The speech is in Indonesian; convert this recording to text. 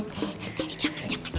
nanti jangan jangan